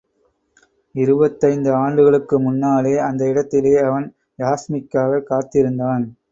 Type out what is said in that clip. இருபத்தைந்து ஆண்டுகளுக்கு முன்னாலே, அந்த இடத்திலே அவன் யாஸ்மிக்காகக் காத்திருந்தான்.